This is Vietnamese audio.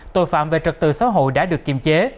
tội phạm về trật tự xã hội đã được kiềm chế